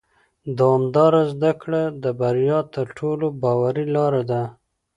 دوامداره زده کړه د بریا تر ټولو باوري لاره ده